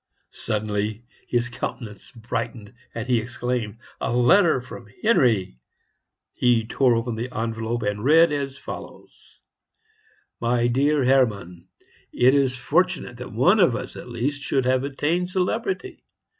Suddenly his countenance brightened, and he exclaimed, "A letter from Henry!" He tore open the envelope, and read as follows: "MY DEAR HERMANN, It is fortunate that one of us at least should have attained celebrity.